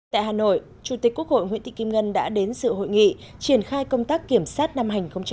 tại hà nội chủ tịch quốc hội nguyễn thị kim ngân đã đến sự hội nghị triển khai công tác kiểm sát năm hai nghìn một mươi chín